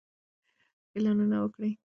اعلانونه وکړئ.